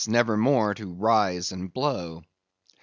never more to rise and blow.